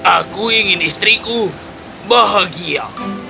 aku ingin istriku bahagia